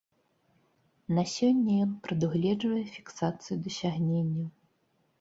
На сёння ён прадугледжвае фіксацыю дасягненняў.